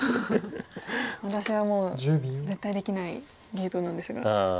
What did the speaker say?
私はもう絶対できない芸当なんですが。